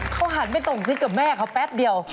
เขาหันไปตรงซิกกับแม่เขาแป๊บเดียว